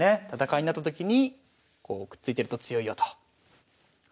戦いになったときにこうくっついてると強いよと。